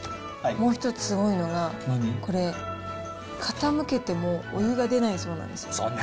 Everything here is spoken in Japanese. もう一つ、多いのが、これ、傾けてもお湯が出ないそうなんですよ。